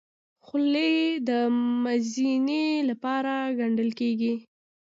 خولۍ د مزینۍ لپاره ګنډل کېږي.